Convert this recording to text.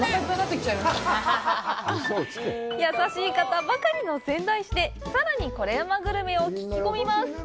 優しい方ばかりの仙台市で、さらにコレうまグルメを聞き込みます。